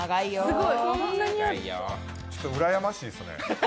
ちょっとうらやましいですね。